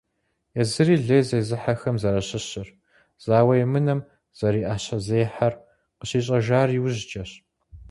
Езыри лей зезыхьэхэм зэращыщыр, зауэ емынэм зэриӀэщэзехьэр къыщищӀэжар иужькӏэщ.